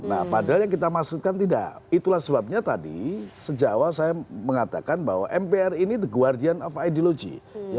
nah padahal yang kita maksudkan tidak itulah sebabnya tadi sejak awal saya mengatakan bahwa mpr ini the guardian of ideology